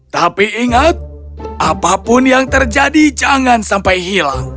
tapi ingat apapun yang terjadi jangan sampai hilang